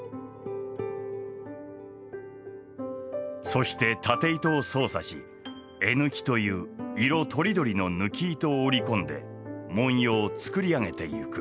そして経糸を操作し絵緯という色とりどりの緯糸を織り込んで文様を作り上げてゆく。